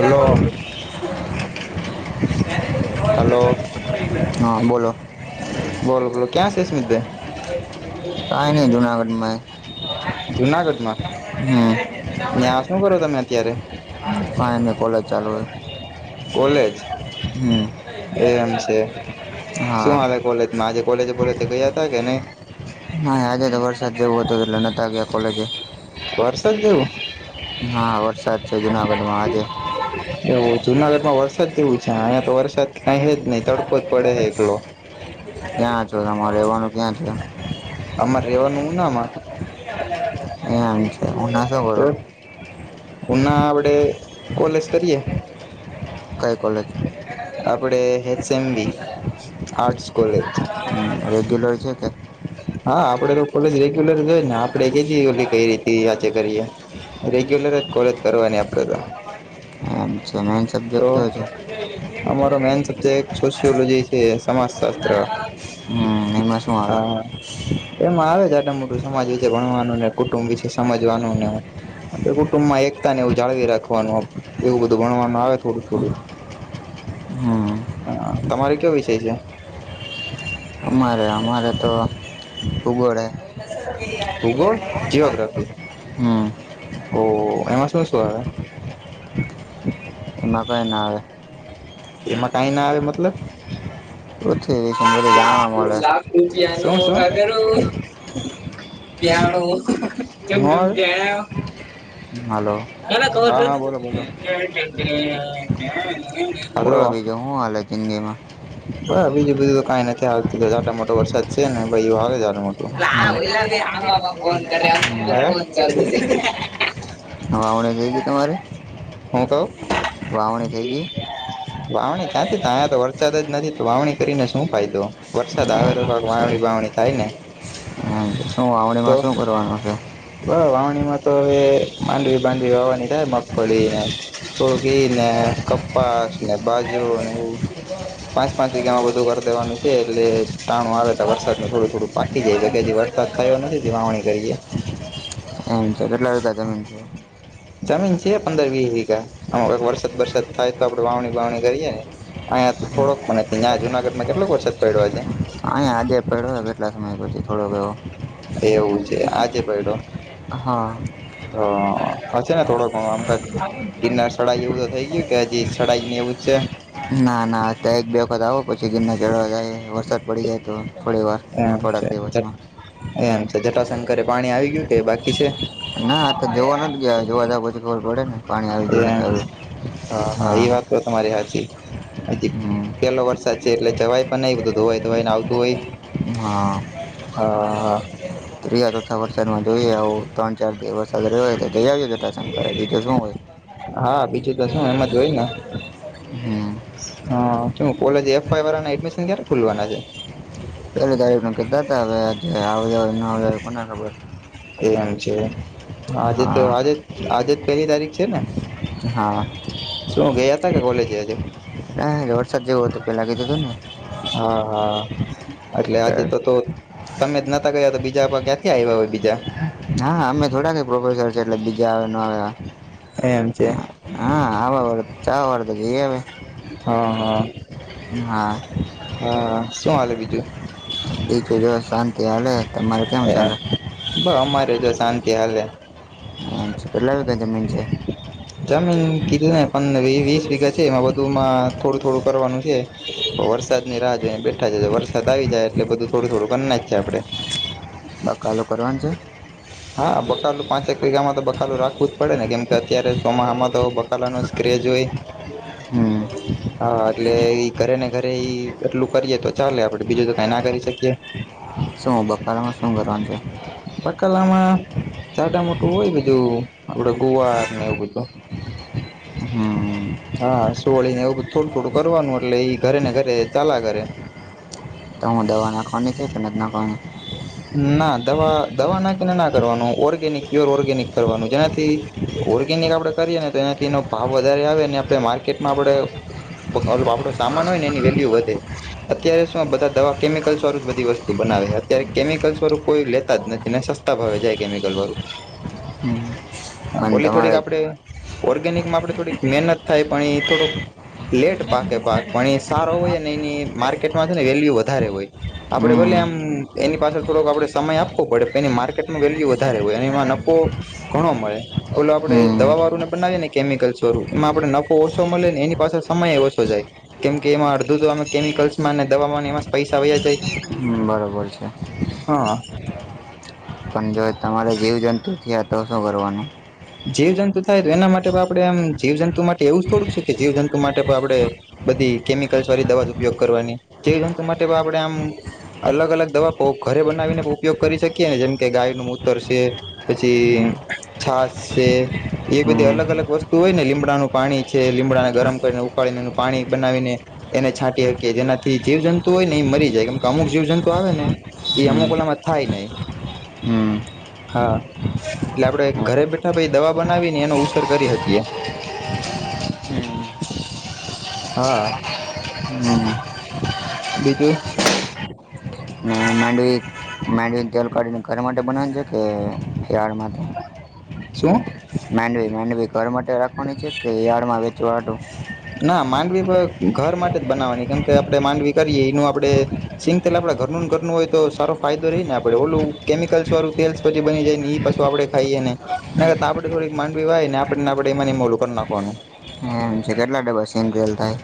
અલો. Hello. હા બોલો બોલો બોલો, ક્યા સે સ્મિતે. હ કાઈ નઈ જુનાગઢમાં જુનાગઢમાં એ. હમ. ત્યાં શું કરો તમે અત્યારે પાઈની કોલેજ ચાલુ હે. કોલેજ, એ એમ છે. હા શું હાલે? કોલેજમાં આજે કોલેજ બોલેજ ગયા હતા કે નઈ? હા, આજે તો વરસાદ જેવું હતુ એટલે નતા ગયા કોલેજે. વરસાદ જેવું હા વરસાદ છે, જુનાગઢમાં આજે. એવું જુનાગઢ માં વરસાદ જેવું છે, હાંયા તો વરસાદ કાઈ હ જ નઈ તડકો જ પડે છે એકલો. ક્યાં છો. તમારે રેવાનું ક્યાં છે? આમારે રેવાનું ઉનાઆમાં. એમ છે, ઉનાસો ભરો. ઉના આવડે કોલેજ કરીએ. કઈ કોલેજ? આપડે હેચે M B arts college. Regular છે કે? હા આપડે તો કોલેજ રેગ્યુલર જોયે જ ને, આપડે કે ઓલી કઈ રી હાચે કરીએ. રેગ્યુલર જ કોલેજ કરવાની આપડે તો. આ મેન તો સબ્જેક્ટ કયો છે. અમારો મેન સબ્જેક્ટ સોશિયોલોજી છે સમાસ હમ્મ ને એમાં શું આવે હા એમાં આવે છે આટ મોટું સમાજ વિશે ભણવાનું ને કુટુંબ વિશે સમજવાનું ને આપડે કુટુંબ માં એકતા ને એવું જાળવી રાખવાનું એવું બધું ભણવાનું આવે થોડુંક થોડુંક. હમ હા તમારો કયો વિષય છે. અમારે અમારે તો ભૂગોળે ભૂગોળ જીઓગ્રાફી હમ ઓહ એમાં શું શું આવે. એમાં કંઈ ના આવે. એમાં કઈ ના આવે મતલબ. ઓ ઠીક [unintelligible] [unintelligible] હાલો હા હા, બોલો બોલો [unintelligible] બોલો બીજું હું આવે જિંદગી માં. હ બીજું બધું તો કંઈ નથી આવતું ઝટા મોટો વરસાદ છે ને [unintelligible] [unintelligible] હા આપણે ગઈ કે તમારે. હું કહો. થઈ ગઈ વાવણી ક્યાંથી ત તંયા તો વરસાદ જ નથી તો વાવણી કરીને શું ફાયદો વરસાદ આવે તો કક વાવણી વાવણી થાય ને. શું તો વાવણીમાં શું કરવાનું છે. બ વાવણી માં તો હવે માંડવી બાડવી વાવાની થાય મગફળી [unintelligible] તો એ ને કપાસ ને એમ બાજરો ને એવું. [unintelligible] પાંચ પાંચ જગ્યામાં બધું કરી દેવાનું છે એટલે ટાણું આવે તો વરસાદને થોડું થોડું પાકી જાય કે હજી વરસાદ થયો નથી જે વાવણી કરીએ. એમ છે એટલે [unintelligible] તમે. જમીન છે પંદર વીસ વીઘા આમાં વરસાદ વરસાદ થાય તો આપડણે વાવણી વાવણી કરીએ. અહીં થોડોક મનેયા જુનાગઢ માં કેટલો વરસાદ પડ્યો આજે. હાયા જે પડ્યો કેટલા સમય પછી થોડોક એવો. એવું છે આજે પૈડો. હા હ હ છે ને થોડો ઘણો આમ તો. ગિરનાર શળાઈ એવું તો થઈ ગયું કે હજી શળાઈ ને એવું જ છે. ના ના અ ત્યાં એક બે વખત આવો પછી ગિરના ચઢવા જાય વરસાદ પડી જાય તો થોડી વાર. એમ થોડાક છે દિવસમાં એમ છે જટાશંકરે પાણી આવી ગયું કે બાકી છે. ના આ તો જોવા નથી જ ગયા જોવા પછી ખબર પડે ને. પાણી આવી ગયું એમ નથી આવ્યું હા હા એ વાત હોય તમારી હાચી. હ હમ પેલો વરસાદ છે એટલે જવાય પણ નઈ બધું ધોવાય ધોવાય ને આવતું હોય. હા. હા. ત્રીયા ચોથા વરસાદમાં જોઈએ આવો ત્રણ ચાર દિવસ સજરેયો હોય તો જઈ આવીએજ તો પસંદ કરે બીજું શું હોય. હા બીજું તો શું એમાં જોઈ ના. હમ હા કે કોલેજ એફ વાળા એડમિશન ક્યારે ખુલવાના છે. પેલી તારીખ કીધા હતા હવે આજે આવજાવ ન આવ કોને ખબર. એમ છે આજે તો હા આજે આજે જ પેલી તારીખ છે ને. હા. શું ગયા હતા કે કોલેજ આજે. હા વરસાદ જેવું હતુ પેલા કીધું હતું ને હા હા એટલે આજે તો તો તમે જ નતા ગયા તો બીજા ક્યાંથી આવ્યા હોય બીજા હા અમે થોડાક પ્રોફેસર છે એટલે બીજા આવે ન આવે. એમ છે. હા [inaudible] ચાવા વાળ તો જઈ આવે. [inaudible] [inaudible] હા શું હાલે બીજું? બીજું જો શાંતિ હાલે તમારે કેમ ચાલે? બ અમારે જો શાંતિ હાલે. કેટલા વીગા જમીન છે? જામીન કીધું ને પણ વીસ વીઘા છે એમાં બધું માં થોડું થોડું કરવાનું છે. વરસાદ ની રાહ જોઈને બેઠા છે વરસાદ આવી જાય એટલે બધું થોડું થોડું કરના જ છે આપડે. આ કાલ કરવાની છે. હા બકાલું પાંચેક વીઘામાં તો બકાલું રાખવું જ પડે ને કેમ કે અત્યારે તોમાં આમાં તો બકાલા ન સ્ક્રેજ હોય. હમ હા એટલે કરે ને કરે ઈ એટલું કરીએે તો ચાલે આપડે બીજું તો કઈ ના કરી શકીએ શું બકાળામાં શું કરવાનું છે? બકાલામાં જાડા મોટું હોય બધું આપડે ગુવાર ને એવું બધું તો હમ હા સોળીને એવું થોડું થોડું કરવાનું એટલે એઈ ઘરે ને ઘરે ચાલા કરે. તો હું દવા નાખવાની છે કે નથી નાખવાની? [inaudible] ના દવા દવા ના કેને ના કરવાનું ઓર્ગેનિક પ્યોર ઓર્ગેનિક કરવાનું જેનાથી ઓર્ગેનિક આપણે કરીએ ને તો એનાથી એનો ભાવ વધારે આવેને આપણે માર્કેટમાં આપણે આપડો સામાન હોય ને એની વેલ્યુ વધે. અત્યારે શું બધા દવા કેમિકલસરું જ બધી વસ્તુ બનાવે હતી. અત્યારે કેમિકલ્સ વાળું કોઈ લેતા જ નથી ને સસ્તા ભાવે જાય કેમિકલ વાળું હમ હા પણ ઓલી થોડીક તમારે આપડે ઓર્ગેનિકમાં આપડે થોડીક મહેનત થાય પણ એ થોડુંક લેટ પાકે પાક પણ એ સારો હોય ને એની માર્કેટમાં છે ને વેલ્યુ વધારે હોય. આપડે ભલે હમ આમ એની પાસે થોડો આપણે સમય આપવો પડે પણ એની માર્કેટમાં વેલ્યુ વધારે હોય એ એમાં નફો ઘણો મળે ઓલો આપણેે દવા હમ વાળું ને બનાવીએ ને કેમિકલ્સ વાળું એમાં આપડે નફો ઓછો મળે ને એની પાસે સમય ઓછો જાય. કેમ કે એમાં અડધો તો અમે કેમિકલ્સમાં ને દવાવામાં એમાં પૈસા વ્યા જાય. બરાબર છે. [inaudible] પણ જો તમારે જીવજંતુ થીયા તો શું કરવાનું? જીવ જંતુ થાય તો એના માટે પણ આપડે એમ જીવ જંતુ માટે એવું જ થોડુંક છે કે જીવ જંતુ માટે પણ આપડે બધી કેમિકલ્સ વાળી દવા ઉપયોગ કરવાની જીવ જંતુ માટે આપણે આમ અલગ અલગ દવા ઘરે બનાવીને ઉપયોગ કરી શકીએ ને જેમ કે ગાય નુ મૂતર છે હમ પછી છાસ છે. એ બધી અલગ હમ અલગ વસ્તુ હોય ને લીમડાનું પાણી છે લીમડાને ગરમ કરીને ઉકાળીને એનું પાણી બનાવીને એને છાંટી હકીએ જેનાથી જીવ જંતુ હોય ને એ મરી જાય કેમ કે અમુક જીવ જંતુ આવે ને એ અમુક ઓલામાં થાય ને હમ હા એટલે આપડે ઘરે બેઠા પાઈ દવા બનાવીને એનો ઉછેર કરી [inaudible] હા [inaudible] બીજું? અને માંડવી માંડીને તેલ કાઢીને [inaudible] બનાવ છે કે [inaudible] માટે? શું? માંડવી માંડવી ઘર માટે રાખવાની છે કે યારડમાં વેચવા હારુ? ના માંડવી ઘર માટે જ બનાવવાની કેમ કે આપડણે માંડવી કરીએ એનું આપડે સિંગ તેલ આપે ઘરનું ઘર નનું હોય તો સારો ફાયદો રહી ને આપડ ઓલું કેમિકલ્સ વાળું તેલ બની જાય ને એઈ પશુ આપણેેાઈએ ને એને કરતા આપણે થોડીક માંડવી વાય ને આપણેને આપણે એ મોલું કરી નાખવા નું. હમ કેટલા [inaudible] સિંગતેલ થાઇ?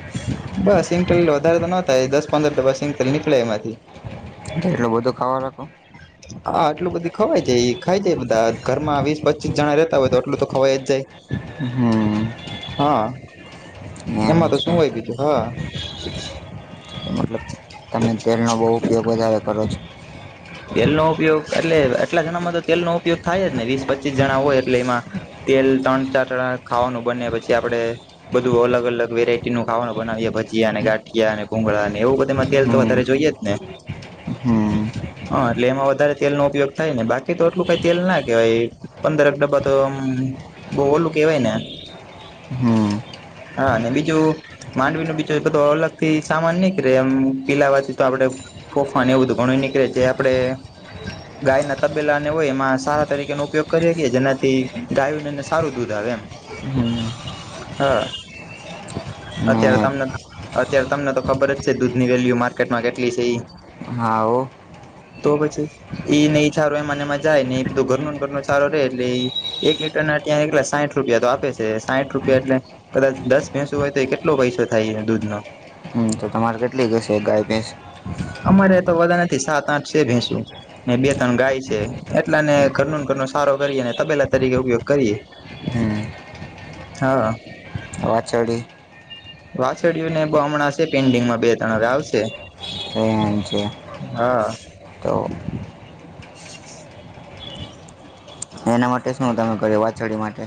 બસ સિંગતેલ વધારે તો નો થાય દસ પંદર ડબા સિંગટેલ નીકળે એમાંથી. તો એટલો બધો ખાવા નાખો? હા આટલું બધી ખવાય જાય ખાઈ જાય બધા ઘરમાં વીસ પચીસ જણા રેતા હોય તો આટલું તો ખવાઈ જ જાય. હમ. હા એમ એમાં તો છે શું આવી ગય છે હા. મતલબ તમે તેલનો બહુ ઉપયોગ વધારે કરો છો? તેલ નો ઉપયોગ એટલે આટલા જણામાં તો તેલનો ઉપયોગ થાય જ ને વીસ પચીસ જણા હોય એટલે એમાં. તેલ ત્રણ ચાર ટણા ખાવાનું બને પછી આપણે બધું અલગ અલ વેરાઈટી નું ખાવાનું બનાવી ભજીયા અને ગાંઠિયા અને ભુંગળાને એવું બધા તેલ હમ તરે જોઈએ જ ને. હમ. હા એટલે એમાં વધારે તેલનો ઉપયોગ થાય ને બાકી તો એટલું કઈ તેલ ના કેહેવાય પંદરક ડબ્બા તો આમ બહ ઓલું કેહેવાય ને. હમ હા અને બીજું માંડવી ન બીજો બધ અલગ થી સામાન નહીં રે એમ પિલાવાથી તો આપડે તોફા ને ઉધગણું નીકળે છે. આપડે ગાય ના તબેલા ને હોય એમાં સારા તરીકેનો ઉપયોગ કરીએ કેએ જેનાથી ગાય ને સારું દૂધ આવે એમ. હમ. હા. ને અત્યારે તમને અત્યારે તમને તો ખબર જ છે, દૂધની વેલ્યુ માર્કેટમાં કેટલી છે એ? હા હો. તો પછી. એઈ નહ સારું એ મને એમાં જાય નહ એધ ઘર ન ઘર ન સારો રહેે એટલે એક લીટર ના ત એક સાઠ રૂપિયા તો આપે છે સાઠ રૂપિયા એટલે કદાચ દસ બેસું હોય તો એ કેટલો પૈસો થાય દૂધ નો. હમ તો તમારે કેટલી [inaudible] ગાય ભેસ? અમારે તો વધા નથી સાત આઠ છે ભેંસો. ને બે ત્રણ ગાય છે એટલાને ઘરનું ઘર ન સારો કરીએ ને તબેલા તરીકે ઉપયોગ કરીએ. હમ. હા. વાછડી? વાછડિયું ને બો હમણાં છે પેન્ડિંગમાં બે-ત્રણ આવશે. એવું છે? હા. તો [unintelligible] એના માટે શું તમે કર્યું વાછડી માટે?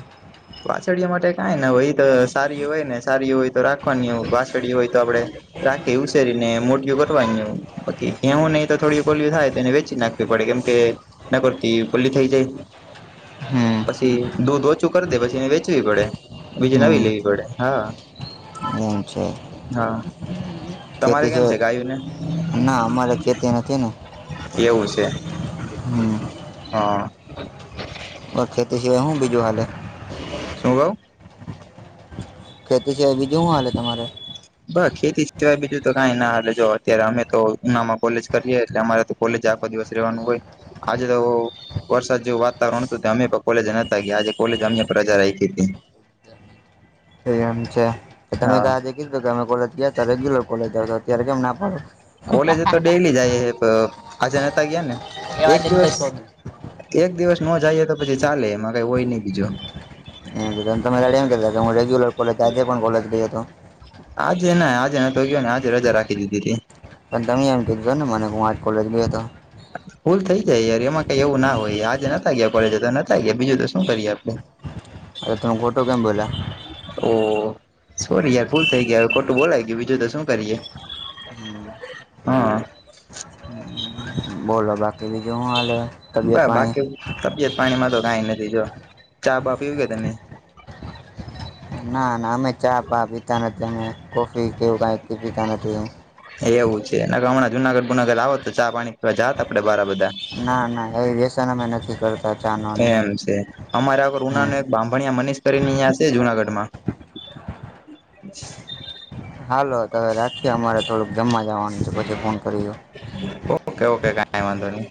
પાછળિયા માટે કઈ ને એ તો સારી હોય ને સારી હોય તો રાખવાની પાછળ હોય તો આપડે રાખે ઉસેરી ને મોઢયું કરવાની બાકી એવું નહી તો થડી કોલું થાય તો એને વેચી નાખ પડે કેમ કે ન કરતી પલ્લી થઈ હમ જાય પછી દૂધ ઓછું કરી દે પછી એને વેચવી પડે બીજે નવી હમ લેવી પડે. હા. હા [unintelligible] તમારે ખેતી છે? કેમ ગાયું ને ના અમારે ખેતી નથી ને. હમ. હ. ઓખેતી સિવાય હું બીજું હાલે શું કવ ખેતી સીવાય બીજું હું હાલે તમારે? બ ખેતી સિવાય બીજું તો કાઈ ન હાલે જો અત્યારે અમે તો ઉનામાં કોલેજ કરીએ એટલે અમારે કોલેજ આખ દિવસ રેવાનું હોય આજે તો વરસાદ જેવું વાતાવરણ અમે કોલેજ નતા ગયા આજે કોલેજ અમે પ્રજા રાયખીતી એમ છે, તમે તો હા આજે કીધું કે અમે કોલેજ ગયા તો રેગ્યુલર કોલેજ આવ તો અત્યારે કેમ ના પાડો કોલેજ તો ડેલી જાય હે આજ નતા ગયા ને એક દિવસ એક દિવસ ન જાઈએ તો પછી ચાલે એમાં કઈ હોય નહી બીજું એમ તેમ, તમે રેડી હું કરતા તા, હું રેગ્યુલર કોલેજ આજે પણ કોલેજ ગયો તો. આજે ના આજે નતો ગયો ને આજે રજા રાખી દીધીતી પણ તમે એમ કીધો ને મને હું આર્ટ કોલેજ બી હતો હ ભૂલ થઈ જાય યાર એમાં કઈ એવું ના હોય આજ નતા ગયા કોલેજ તો નતા ગયા બીજું તો શું કરીએ આપડે અ તમ ખોટુ કેમ બોલા ઓ સોરી યાર ભૂલ થઈ ગયા ખોટું બોલાય ગયું બીજું તો શું કરીએ હમ હા. બોલો બાકી બીજુ હુ હાલેે બ બાકી તબિયત પાણીમાં તો કાઈ નથી જો ચા બા પીવી કે તમે ના ના અમે ચા પા પીતા નથી અમે કોફી કેવું કાઈ પીતા નથી એવ એવું છે, એ કે હમણાં જુનાગઢ ગુનાગઢ આવત તો ચા પાણી પીવા જાત આપડે બારા બધા ના ના એ વેસન અમેં નથી કર એમ છે. અમારાગર હમ ઉનાને એક બાંભણીયા મનીષ કરીને અહીંયા છે જુનાગઢમાં. હાલો તમે રાખીએ અમારે થોડુંક જમવા જવાનું છે, પછી ફોન કરીયો ઓકે ઓકે કઈ વાંધો નય